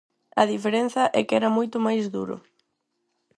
A diferenza é que era moito máis duro.